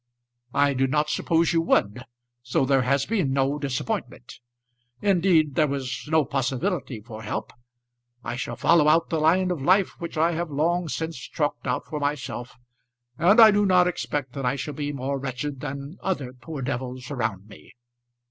"I did not suppose you would, so there has been no disappointment. Indeed, there was no possibility for help. I shall follow out the line of life which I have long since chalked out for myself, and I do not expect that I shall be more wretched than other poor devils around me.